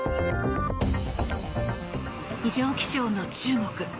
異常気象の中国。